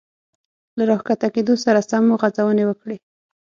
له را ښکته کېدو سره سم مو غځونې وکړې.